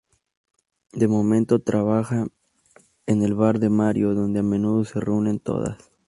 De momento trabaja en el bar de Mario, donde a menudo se reúnen todas.